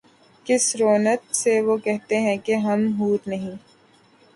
کس رعونت سے وہ کہتے ہیں کہ ’’ ہم حور نہیں ‘‘